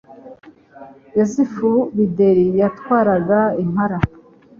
yozefu bideri yatwaraga impara